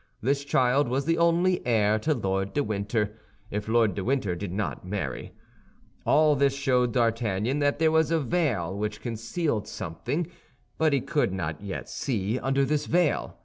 This child was the only heir to Lord de Winter, if Lord de Winter did not marry. All this showed D'Artagnan that there was a veil which concealed something; but he could not yet see under this veil.